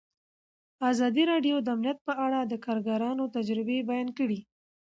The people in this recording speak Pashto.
ازادي راډیو د امنیت په اړه د کارګرانو تجربې بیان کړي.